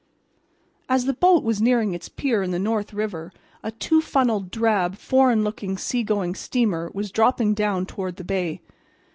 As the boat was nearing its pier in the North River a two funnelled, drab, foreign looking sea going steamer was dropping down toward the bay.